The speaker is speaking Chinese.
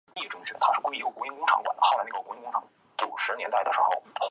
指形角壳灰介为半花介科角壳灰介属下的一个种。